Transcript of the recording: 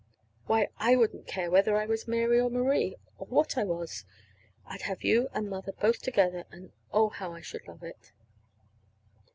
Why, I wouldn't care whether I was Mary or Marie, or what I was. I'd have you and Mother both together, and, oh, how I should love it!"